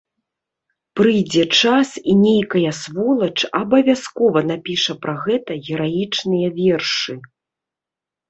Прыйдзе час і нейкая сволач абавязкова напіша пра гэта гераічныя вершы.